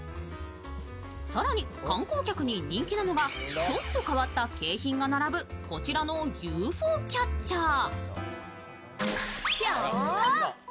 更に観光客に人気なのがちょっと変わった景品が並ぶこちらのＵＦＯキャッチャー。